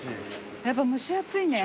やっぱ蒸し暑いね。